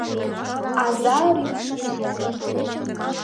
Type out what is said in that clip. АЗА РӰПШЫМӦ МУРО